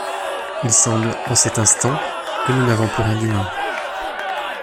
Il semble, en cet instant, que nous n’avons plus rien d’humain.